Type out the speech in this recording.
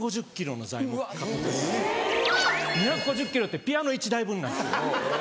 ２５０ｋｇってピアノ１台分なんですよ。